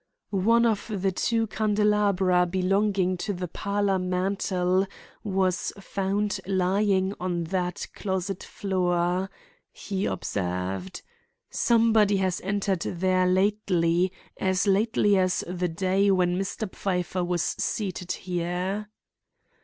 "One of the two candelabra belonging to the parlor mantel was found lying on that closet floor," he observed. "Somebody has entered there lately, as lately as the day when Mr. Pfeiffer was seated here."